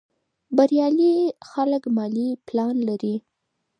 بریالي خلک مالي پلان لري.